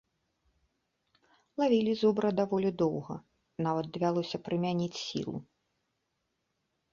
Лавілі зубра даволі доўга, нават давялося прымяніць сілу.